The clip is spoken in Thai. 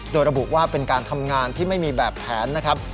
โดยระบุว่าเป็นการทำงานที่ไม่มีแบบแผนนะครับ